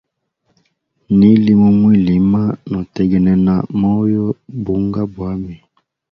Nili mumwilima, notegnena moyo bunga bwami.